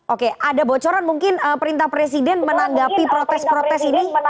oke ada bocoran mungkin perintah presiden menanggapi protes